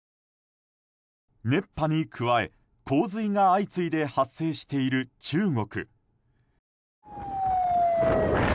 熱波に加え、洪水が相次いで発生している中国。